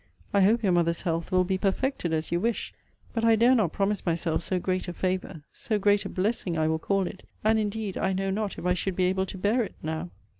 I hope your mother's health will be perfected as you wish; but I dare not promise myself so great a favour; so great a blessing, I will call it and indeed I know not if I should be able to bear it now!